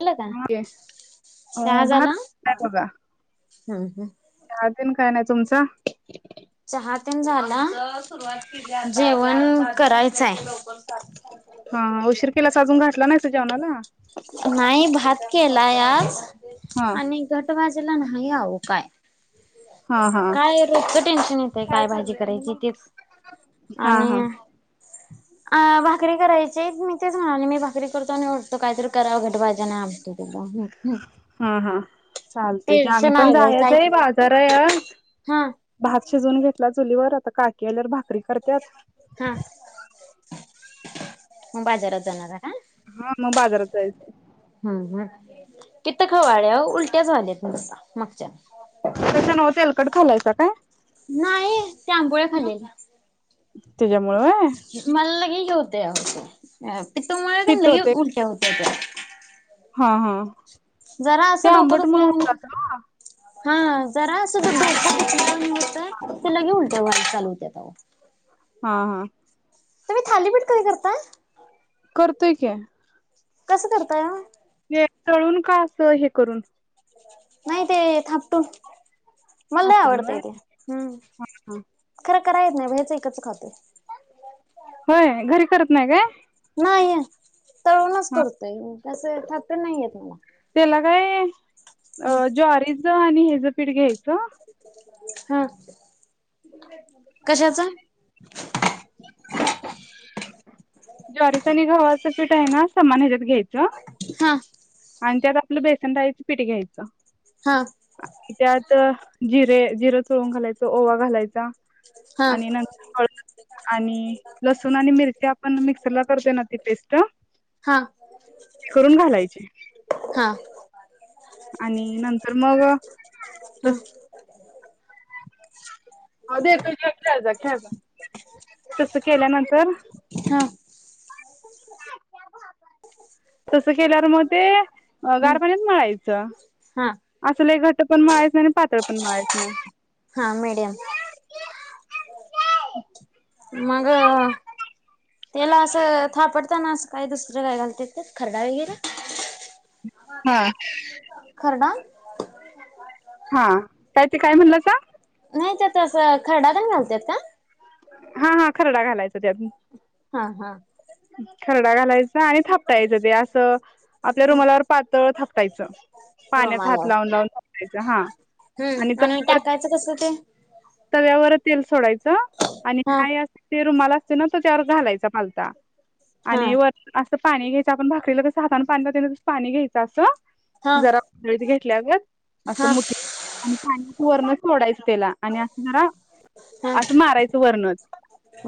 झालं का े अ चहा भात झाला? काय बघा. हम्म हम्म. दिन काय नाही तुमचा चहते झाला सुरवात जेवण करायचंय. हा उशीर केला सा अजून घाठला नाहीस जेवणाला नाही भात केलाय आज हा आणि घट वाजला नाही काय हा हा काय रो टेन्शन येते काय भाजी करायची तेच हा आणि हा [unintelligible] अ भाकरी करायची मी तेच म्हणाले मी भाकरी करतो आणि निवढतो काहीतरी करा घट भाज्या नाही आतो त हा हा चालते की आम्ही टेन्शन पण आलंय जायच काय आहे बाजार हा भात शिजवून घेतला चुलीवर आता काकी आल्यावर भाकरी करतत. हा म बाजारात जाणारा ह. हा मग बाजारात जायचं. हम् हम किथ खवाळ्या उलट्याच झाल्यात ना तसा मागच्यान त नाव ते एलकड खालायचा काय? नाही ते आंबोळ्या त्याच्यामुळ व्हय खाल्लेल्या मला लगेही होते होते प तो मला पित्त लगे होतय उलट्या होत्या त्या हा हा जरा ते असं डोकं आंबट मुळ होत दुखल्यावाणी अस. हा जरा अस. काां? त ते लगे उलते चालू होते आ हा हा. तु म् थालीपीठ कध करता. करतोय क कसं करताय ओ? हे चळून का अस हे करून नाही ते थापटून मलाला थापटून आवडतय व्हय ते हम्म. खरं करा येत नाही व्याच एकच खाते. होय घरी करत नाही काय? नाही तळूनच हा करतोय कस थप नाहीयेत मला त्याला काय ज्वारीच आणि हेच पीठ घ्यायचं. हा कशाचा ज्वारीच आणि गव्हाचं पीठ आहे ना समान ह्याच्यात घ्यायचं हा आणि त्यात आपलं बेसन डाळीच पीठ घ्यायचं हां त्यात जिरे जिर चोळून घालायचं ओवा घालायचा हा आणि नंत आणि लसूण आणि मिरच्या आपण मिक्सरला करतोय ना ती पेस्ट हा करून घालायची हा आणि नंतर मग ह तस हो देतो खेळ जा खेळ जा तस केल्यानंतर हा तसं केल्यावर मग ते ह गार पाण्यात मळायचं हा अस लईघट्ट पण मळायच नाही आणि पातळ पण मळायच नाही हा मीडियम मग त्याला असं थापडताना असं काय दुसरं काय घालते त्या खरडा वगैरे हा. खरणा हा का ते काय म्हणलं जा. नाही त्या त अस खरडाद घालत का? हा हा खरडा घालायचा त्यात हा हा खरडा घालायचा आणि थापटायचं ते असं आपल्या रुमालावर पातळ थापटायचं पाण्याचा हात रोमाला लावुन लावुन थापटायच हा हम्म आणि टाकायच कस कस ते तव्यावर तेल सोडायचं आणि हा काय अस ते रुमाल असतोय ना त्यो त्यावर घालायचा पालता हा आणि वर असं पाणी घ्यायचं आपण भाकरीला कसं हातान पाणी लावतोय ना तस पाणी घ्यायचं असं हा जरा ळीत घेतल्यागत हा असंठे आणि पा वर्ण सोडायचं त्याला [unintelligible] आणि असणार हा असं मारायचं वरनच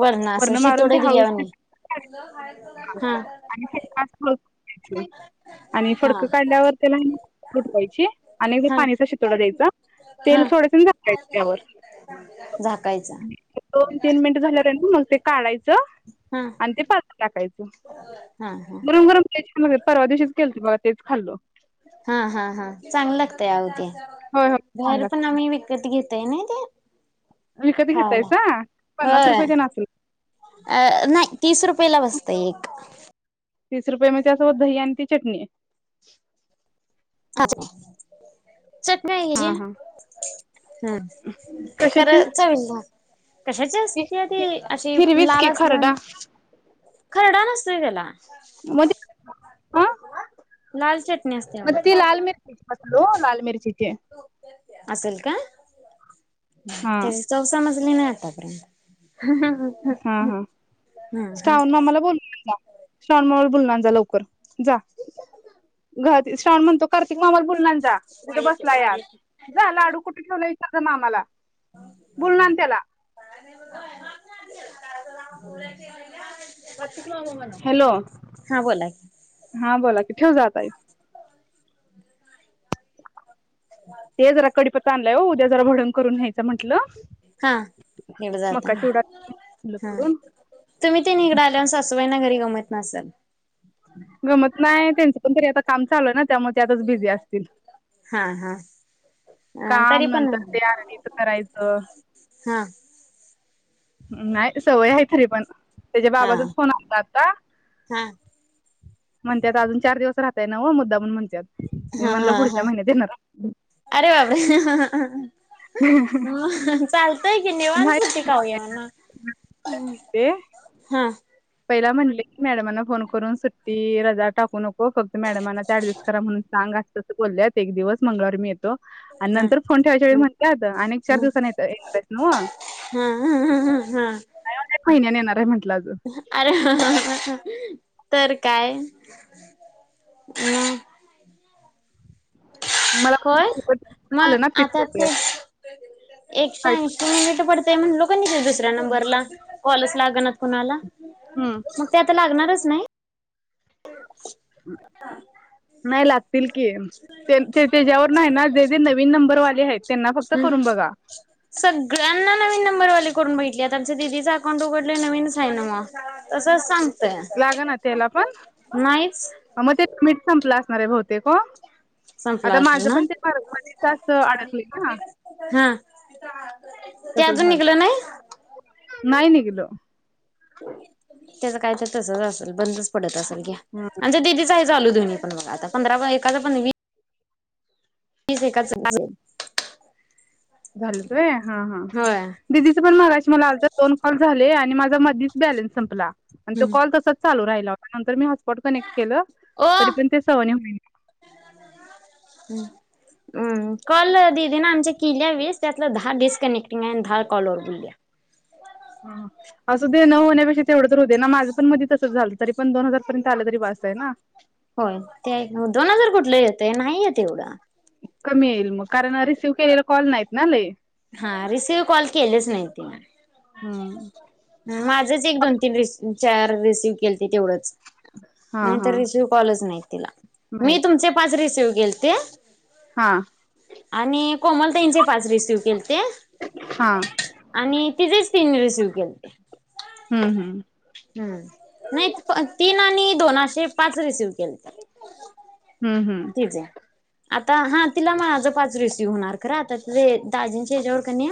वरण असं वरन मारून ते शितोडे हळू दिल्यावानी हा आणि फडकास फडकयची आणि हा फडक काढल्यावर त्याला फुटवायची आणिएकदा हा पाणीचा शितोडा द्यायचा तेल हा सोडायचं आणि झाकायच त्यावर झाकायचा दोन तीन मिनट झाल्यांवर मग ते काढायचं हा आणि ते पालत टाकायच हा हा गरम गरम ते परवा दिवशीच केल त बघा तेच खाल्लो हा हा हा चांगल लागतय अवो ते होय होय छान बाहेर पण लागतं आम्ही विकत घेत ते नाही ते विकत खायला घेतायसा पन्नास होय रुपये तेन असल अ नाही तीस रुपये ला बसतंय एक तीस रुपये म्हणजे असं दही आणि ती चटणी आहे अच्छा चटण्या हे हा हा हम कशाची खरं चवीला कशाची असत्या ती अशी हिरवीच लाल की खरडा असल्यावानी खरडा नसतोय त्याला मग ते लाल चटणी असते बघा ती मे लाल मिर्ची खल्लो लाल मिर्च इचे असेल का हा चौसा मजली नाही आतापर्यंत हा हा हम्म स्टाऊन आम्हाला बोल जा शणमवर बोलला जा लवकर जा घर श्राण म्हणतो कार्तिकमाल बुलांचाे या जा लाडू कुठे ठेवला इचार मामाला बोलून आण त्याला ह हॅलो बोला की हा बोला किथे जातई ह ते जरा कडीपत आणलंय उद्या जरा भडून करून घ्यायच म्हंटलं हा तिकडे मका जाताना उडा हा करून तुम्ही ते निघड आल्या सासुबाईना घरी गमत नसाल गमत नाही त्यांच पण तरी आता काम चालू आहे ना त्यामुळे त्यातच बिझी असतील हा हा काम तरी नंतर पण ते आरडीचं करायचं हा नाही सवय आहे तरी पण त्याच्या हा बाबाचाच फोन आत आता हा म्हणतात अजून चार दिवस राहताय नव्ह अस मुद्दामण म्हणतात मी हा म्हणलं हा हा पुढच्या महिन्यात येणार अरे वापरे ह चालतंय की निवांत नाही सुट्टी खाऊया म्हणाव ते हा पहिला म्हणले की मॅडमाना फोन करून सुट्टी रजा टाकू नको फक्त मॅडमाना ते ऍडजस्ट करा म्हणून सांग असत बोलल्यात एक दिवस मंगळार मीे येतो आणि हा नंतर फोन ठेवायच्या वेळी म्हणतात आणि चार दिवसनी येत एकळेस हम्मम अ एक महिन्याने येणार आहे म्हटलं अजं अरे तर काय म मला होय मग झालं ना पित्त आता होतंय. एकशे ऐंशी मिनिट पड ते म्हण लोक दुसऱ्या नंबरला कॉलच लाग ना कुणाला हम्म मग ते आता लागणारच नाही नाही लागतील की ते त्याच्यावर नाही ना जे जे नवीन नंबरवाले आहेत त्यांना फक्त नाही करून बघा सगळ्यांना नवीन नंबरवाले करून बेटली आता आमच्या दिदीचं अकाउंट उघडलं नवीनच आहे ना मग तंच सांग लाग ना त्याला पण नाहीच मग ते मीठ संपलं असणार आहे भोवतेक संपला आता असेल माझं ना पण ते मार्ग मच अस अडकले ना हा. ते तसं अजून झाले निघलं नाही नाही न किलो त्याच काही तर तसच असेल बंदच पडत असल घ्या हा म्हच्या दिदीचही चालूु्ही पण बघ आता पंधरा एकाचा पण वीस तीच एकाच झालं तय हा हा होय दिदीचं पण माराशी मला आल तर दोन कॉल झाले आणि माझा मधीच बॅलेन्स संपला आणि तो कॉल तसच चालू राहिला होता नंतर मी हॉस्पॉट कनेक्ट केलं ओ तरी पण ते सहने होईल [inaudible] हम्म हम् कॉल ददी ना आमच्या किल्या वीस त्यातलं दहा डिस्कनेक्टिंग आहे आणि दहा कॉलवरर बुोलल्या हा असं दे न होण्यापेक्षा तेवढं तर होते ना माझं पण मी तसंच झालं तरी पण दोन हजार पर्यंत आलं तरी वाासत आहे ना होय ते मग दोन हजार कुठलं येतं नाही येत एवढं कमी येईल मग कारण रिसीव्ह केलेला कॉल नाहीत ना ल हा रिसिव्ह कॉल केलेच नाही ति हम्म. म माझंच एक दोन तीन रस चार रिसिव्ह केल ते तेवढंच हा नाहीत हा रिसिव कॉलच नाही तिला मी नाहीत तुमचे पाच रिसिव्ह केेल ते हा आणि कोमलताईचे पाच रिसिव्ह केले ते हा आणि तिथेच तिने रिसीव्ह केले ते हम्म हम्म हम्म नाही प तीन आणि दोन असे पाच रिसिव केल ते हम्म हम्म तिचेे आता हा तिला मा माझं पाच रिसीव होणार क आता त दाजेंच्या हच्यावर क नाही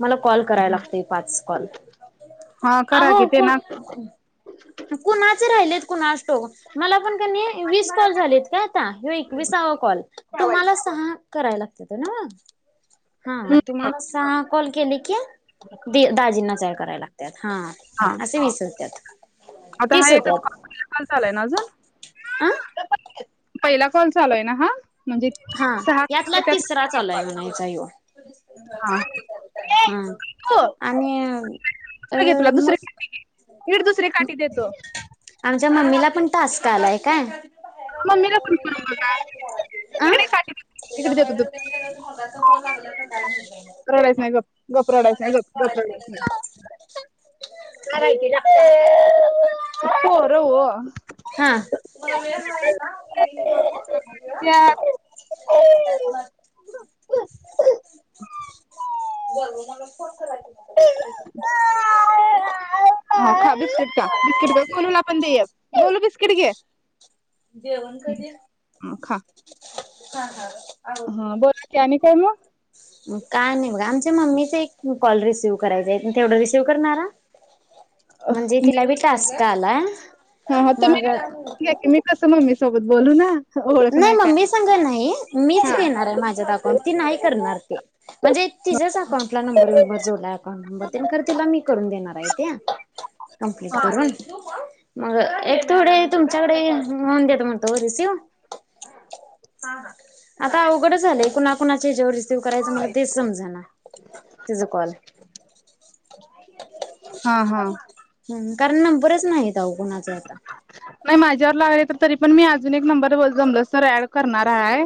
मला कॉल कराय लागतो पाच कॉल हा अ करा कि ते ना कोण हम्म कुणाचे राहिलेत कुणा मला पण का वीस कॉल झालेत का आता ह एकविसावा कॉल तुम्हाला सहा करायला लागत ना हा तुम्हाला स कॉल केले की दाजींना चाय करायला लागत हा हा विसरतत आता हा एकच कॉपला काल चालाय ना अजून आं पहिला कॉल चालू आहे ना हा म्हणजे सहा कॉल त्यात कॉल हा हम्म आणि अ म इकडे हीड दुसरे काठी देतो तिला पण ताासका आलाय काय मीलापण क काट त्याच्यामुळे त्या मगाचा फल लागल्या तर दाणार बय सांग गपराडयच गपराडा अ अपो रव हा म मेळ हाय का त्या ह बर मला फोन कराय हा का बिस्किट का बिस्किट का खणून आपण देया बोलू बिस्किट घे जेऊण कधी हा खा हा हा हा बोला की आणि ह काय काय नाही बघा आमच्या मम्मीचा एक कॉल रिसिव्ह करायचा आहे तेवढा रिसीव्ह करणारा म्हणजे मग तिला बिटा असत आला हा तर मीी मी कसं मम्मी सोबत बोलू ना ओळख नाही मग मी काय सांगा नाही मीच हा घेणार आहे माझ्या द अकाउंट ती नाही करणार ते म्हणजे तिच्याच अकाउंटला नंबर विंबर जोडला अकाउंट नंबर खर तिला मी करून देणार आहे ते कमप्लीट करून मग एक थोडे तुमच्याकडे होऊन देते म्हणतो हो रिसिव. हा हा. आता अवघडच झालंय कुणा कुणाचे जेवर रिसीव्ह करायचं मला तेच समजा ना तिझ कॉल. हा हा. हम कारण नंबरच नाहीेतऊ अवो कोणाचे आता. नाही माझ्यावर लागले तर तरी पण मी, अजून एक नंबर व जमलस तर ऍड करणार आहे.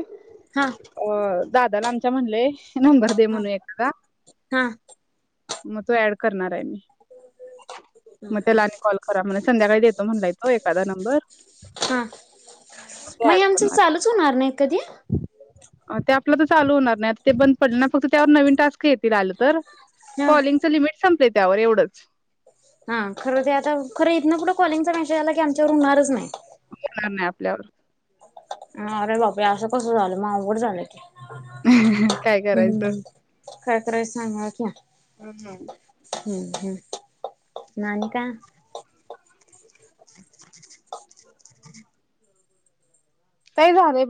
हां. व दादाला आमच्या म्हणलेय नंबर दे हा म्हणून एकदा. हा. मग तो ऍड करणार आहे मी मग त्याला कॉल खरा म्हणा संध्याकाळी देतो म्हणलाय तो एखादा नंबर हा ते ऍड मग आमच करणार चालूच होणार नाही कधी? ते आपलं तर चालू होणार नाही आता ते बंद पडले ना. फक्त त्यावर नवीन टास्क येतील आलं तर. हा कॉलिंगचं लिमिट संपलंय त्यावर एवढंच. हा खरं ते आता खर इथंन पुढ कॉलिंगचा मेसेज आला की, आमच्यावर होणारच नाही. होणार नाही आपल्यावर अरे बापरे! असं कसं झालं, अवघड झालंय की. काय करायचं हम्म. काय करायच सांगा की? हम्म हम्. हम्म हम्म मग आणि का, [inaudible] काय झालंय?